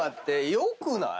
良くない？